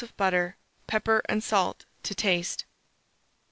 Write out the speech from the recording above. of butter, pepper and salt to taste.